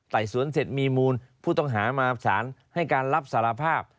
สวนเสร็จมีมูลผู้ต้องหามาสารให้การรับสารภาพ